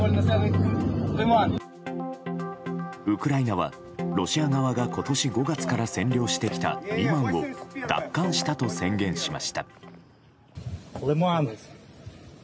ウクライナはロシア側が今年５月から占領してきたリマンを奪還したと宣言しました。